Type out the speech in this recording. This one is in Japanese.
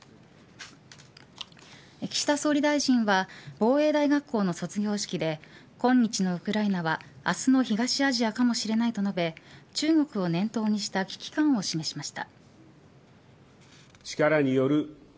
岸田総理大臣は防衛大学校の卒業式でこんにちのウクライナは明日の東アジアかもしれないと述べ中国を念頭にした危機感を示しました。